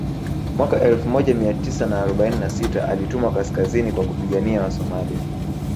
Mwaka elfu moja Mia tisa na arobaini na sita alitumwa kaskazini kwa kupigania Wasomalia